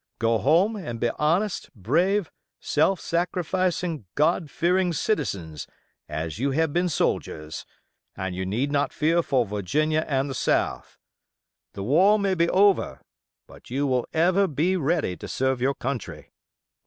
Go home and be honest, brave, self sacrificing, God fearing citizens, as you have been soldiers, and you need not fear for Virginia and the South. The war may be over; but you will ever be ready to serve your country.